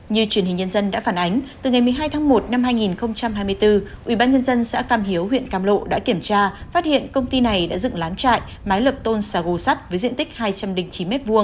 như truyền hình nhân dân đã phản ánh từ ngày một mươi hai tháng một năm hai nghìn hai mươi bốn ubnd xã cam hiếu huyện cam lộ đã kiểm tra phát hiện công ty này đã dựng lán trại mái lập tôn xà gồ sắt với diện tích hai trăm linh chín m hai